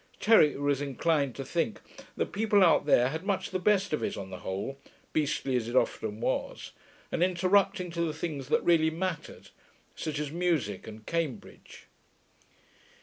Terry was inclined to think that people out there had much the best of it, on the whole, beastly as it often was, and interrupting to the things that really mattered, such as music, and Cambridge.